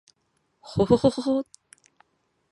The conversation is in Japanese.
ほほほほほっ h